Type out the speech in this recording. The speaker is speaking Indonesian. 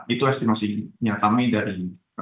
itu estimasinya kami dari